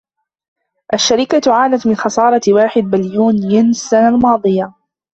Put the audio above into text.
الشركة عانت من خسارة واحد بليون ين السنة الماضية.